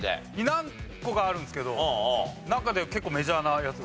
何個かあるんですけど中で結構メジャーなやつが。